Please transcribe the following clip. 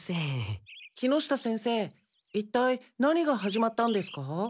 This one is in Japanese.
木下先生いったい何が始まったんですか？